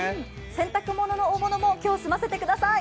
洗濯物の大物も、今日済ませてください。